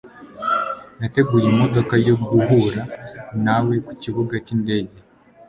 Nateguye imodoka yo guhura nawe kukibuga cyindege.